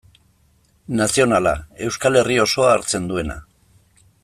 Nazionala, Euskal Herri osoa hartzen duena.